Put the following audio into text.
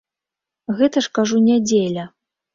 Гэта ж, кажу, нядзеля.